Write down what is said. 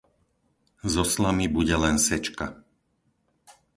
Zo slamy bude len sečka.